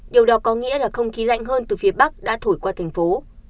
điều đó có nghĩa là không khí lạnh hơn từ phía bắc đã thổi qua thành phố